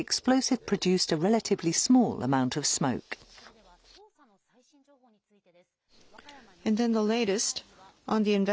それでは捜査の最新情報についてです。